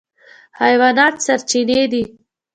حیوانات سرچینې دي.